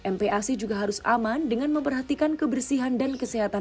mpac juga harus aman dengan memperhatikan kebersihan dan kesehatan